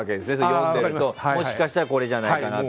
読んでいるともしかしたらこれじゃないかなと。